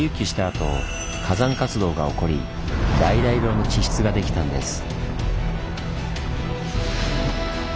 あと火山活動が起こり橙色の地質が出来たんです。